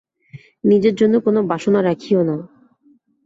নিজের জন্য কোন বাসনা রাখিও না।